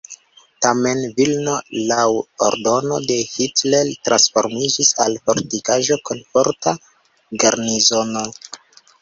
Tamen Vilno laŭ ordono de Hitler transformiĝis al fortikaĵo kun forta garnizono.